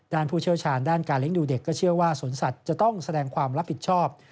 ผู้เชี่ยวชาญด้านการเลี้ยงดูเด็กก็เชื่อว่าสวนสัตว์จะต้องแสดงความรับผิดชอบ